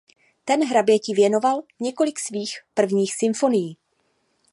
Ten hraběti věnoval několik svých prvních symfonií.